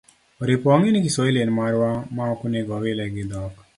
Oripo wang'e ni kiswahili en marwa ma ok onego wawile gi dhok